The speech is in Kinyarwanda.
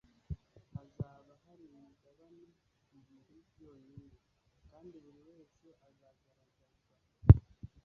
hazaba hari imigabane ibiri yonyine kandi buri wese azagaragazwa